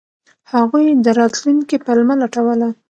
هغوی د راتلونکي پلمه لټوله.